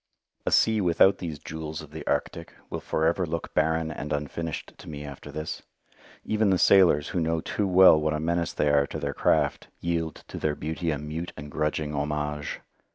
A sea without these jewels of the Arctic will forever look barren and unfinished to me after this. Even the sailors, who know too well what a menace they are to their craft, yield to their beauty a mute and grudging homage.